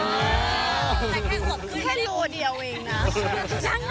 คุณแบกแค่หลบขึ้นแค่โรคเดียวเองนะ